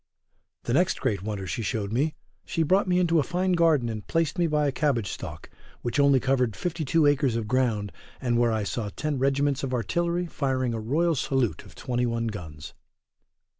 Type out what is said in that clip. The next great wonder she showed me, she brought me into a fine garden and placed me by a cabbage stalk, which only covered 52 acres of ground, and where I saw ten regiments of artillery firing a royal salute of 21 guns.